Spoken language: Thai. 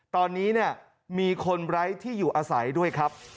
ตอนนี้เนี่ยมีคนไร้ที่อยู่อาศัยด้วยครับ